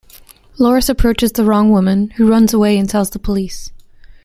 Loris approaches the wrong woman, who runs away and tells the police.